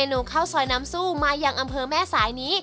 หนูข้าวซอยน้ำซู่มายังอำเภอแม่สายนี้